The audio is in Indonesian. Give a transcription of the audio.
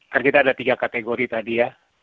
kan kita ada tiga kategori tadi ya